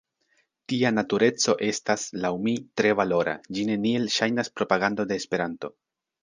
Tia natureco estas, laŭ mi, tre valora, ĝi neniel ŝajnas propagando de Esperanto.